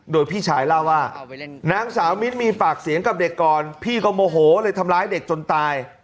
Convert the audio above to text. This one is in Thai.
โดยพี่ชายเล่าว่านางสาวมิ้นมีปากเสียงกับเด็กก่อนพี่ก็โมโหเลยทำร้ายเด็กจนตาย